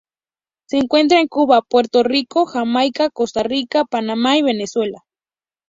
Se encuentra en Cuba, Puerto Rico, Jamaica, Costa Rica, Panamá y Venezuela.